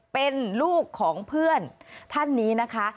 เป็นลูกของเพื่อนท่านนี้นะคะ